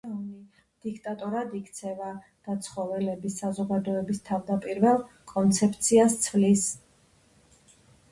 ნაპოლეონი დიქტატორად იქცევა და ცხოველების საზოგადოების თავდაპირველ კონცეფციას ცვლის.